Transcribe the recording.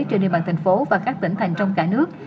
trên địa bàn thành phố và các tỉnh thành trong cả nước